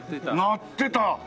鳴ってた！